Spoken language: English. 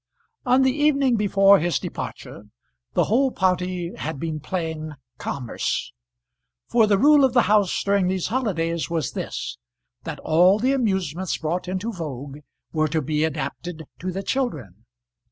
On the evening before his departure the whole party had been playing commerce; for the rule of the house during these holidays was this, that all the amusements brought into vogue were to be adapted to the children.